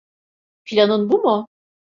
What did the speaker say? Planın bu mu?